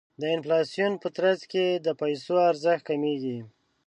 د انفلاسیون په ترڅ کې د پیسو ارزښت کمیږي.